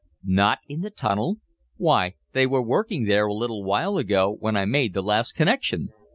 "Not in the tunnel? Why, they were working there a little while ago, when I made the last connection!"